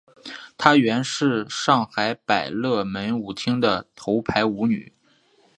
她原是上海百乐门舞厅的头牌舞女。